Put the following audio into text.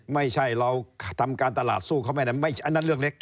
ไม่ใช่เราทำการตลาดสู้เขาไม่ได้อันนั้นเรื่องเล็ก